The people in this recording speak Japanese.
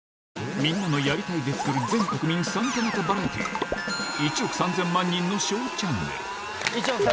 みんなの「やりたい」で作る全国民参加型バラエティー『１億３０００万人のＳＨＯＷチャンネル』！